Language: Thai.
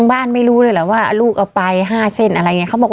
บ้านไม่รู้เลยเหรอว่าลูกเอาไป๕เส้นอะไรอย่างนี้เขาบอก